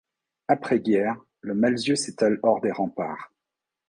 Après guerre, le Malzieu s'étale hors des remparts.